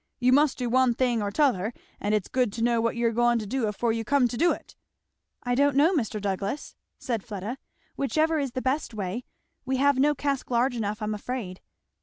You must do one thing or t'other, and it's good to know what you're a going to do afore you come to do it." "I don't know, Mr. Douglass," said Fleda; "whichever is the best way we have no cask large enough, I am afraid."